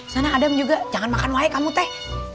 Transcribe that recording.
sana adam juga jangan makan wae kamu teh